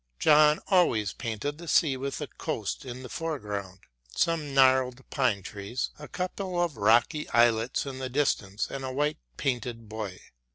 John always painted the sea with a coast in the foreground, some gnarled pine trees, a couple of rocky islets in the distance and a white painted buoy.